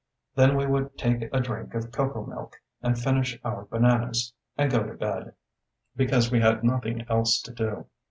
Then we would take a drink of cocoa milk, and finish our bananas, and go to bed, because we had nothing else to do.